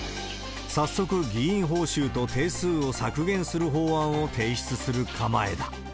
早速、議員報酬と定数を削減する法案を提出する構えだ。